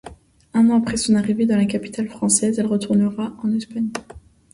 Un an après son arrivée dans la capitale française, elle retournera en Espagne.